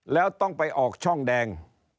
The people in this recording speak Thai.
แล้วต้องไปออกช่องแดง